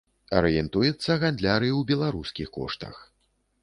Арыентуецца гандляр і ў беларускіх коштах.